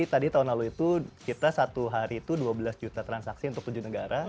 tadi tahun lalu itu kita satu hari itu dua belas juta transaksi untuk tujuh negara